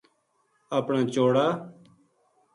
اپنا چوڑا